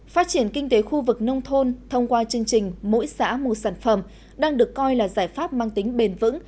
phát triển kinh tế khu vực nông thôn thông qua chương trình mỗi xã một sản phẩm đang được coi là giải pháp mang tính bền vững